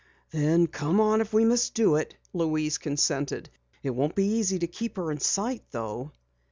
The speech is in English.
"Then come on if we must do it!" Louise consented. "It won't be easy to keep her in sight though."